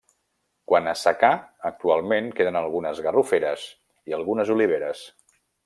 Quant a secà, actualment queden algunes garroferes i algunes oliveres.